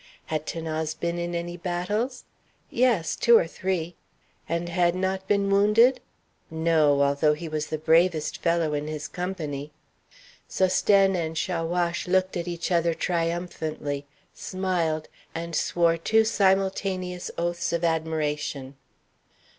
"Had 'Thanase been in any battles?" "Yes, two or three." "And had not been wounded?" "No, although he was the bravest fellow in his company." Sosthène and Chaouache looked at each other triumphantly, smiled, and swore two simultaneous oaths of admiration.